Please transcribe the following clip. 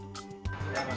dan cita rasa yang unik